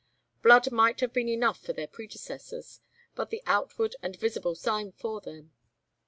Blood might have been enough for their predecessors, but the outward and visible sign for them.